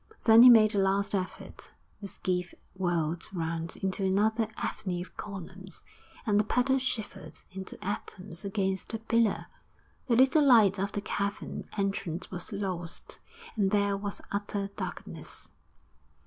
Then he made a last effort; the skiff whirled round into another avenue of columns, and the paddle shivered into atoms against a pillar. The little light of the cavern entrance was lost, and there was utter darkness.